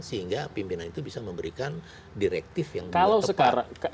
sehingga pimpinan itu bisa memberikan direktif yang tepat